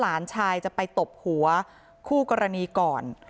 หลานชายจะไปตบหัวคู่กรณีก่อน